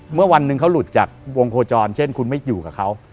เมื่อวันหนึ่งเขาหลุดจากวงโคจรเช่นคุณไม่อยู่กับเขา